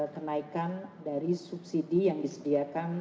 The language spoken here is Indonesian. kenaikan dari subsidi yang disediakan